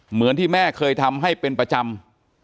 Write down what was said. เหมือนที่แม่เคยทำให้เป็นประจำ